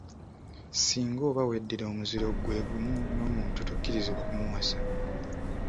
Singa oba weddira omuziro gwe gumu n'omuntu tokkirizibwa kumuwasa.